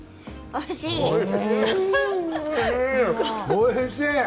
おいしい！